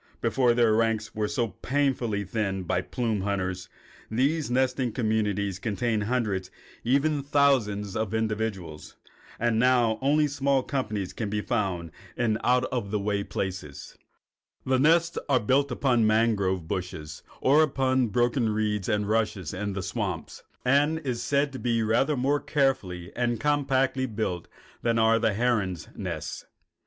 Before their ranks were so painfully thinned by the plume hunters, these nesting communities contained hundreds and even thousands of individuals. But now only small companies can be found in out of the way places. The nest is built upon the mangrove bushes or upon the broken reeds and rushes in the swamps, and is said to be rather more carefully and compactly built than are the herons' nests.